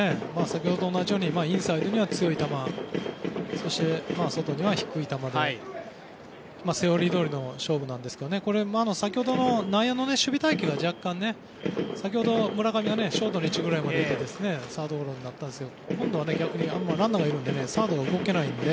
先ほどと同じようにインサイドには強い球そして外には低い球でセオリーどおりの勝負なんですけど先ほどの内野の守備隊形が若干、先ほど村上はショートの位置ぐらいまで出てサードゴロになったんですけど今度は逆にランナーがいるのでサードが動けないので。